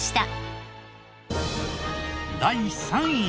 第３位。